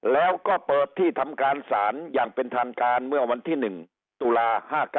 แล้วก็เปิดที่ทำการศาลอย่างเป็นทางการเมื่อวันที่๑ตุลา๕๙